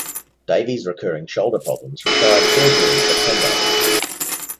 Davies' recurring shoulder problems required surgery in September.